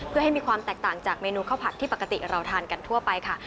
เพื่อให้มีความแตกต่างจากเมนูข้าวผัดที่ปกติเราทานกันทั่วไปค่ะ